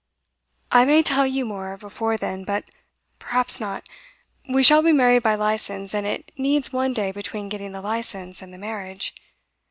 'I may tell you more, before then; but perhaps not. We shall be married by licence, and it needs one day between getting the licence and the marriage.